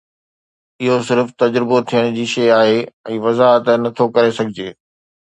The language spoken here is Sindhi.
اهو صرف تجربو ٿيڻ جي شيء آهي ۽ وضاحت نه ٿو ڪري سگهجي